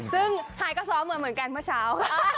ซึ่งไทยก็ซ้อมมาเหมือนกันเมื่อเช้าค่ะ